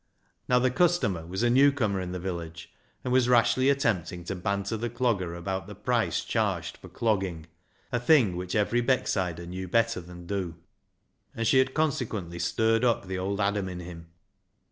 Now the customer was a new comer in the village, and was rashly attempting to banter the Clogger about the price charged for clogging — a thing which every Becksider knew better than do — and she had consequently stirred up the old Adam in him.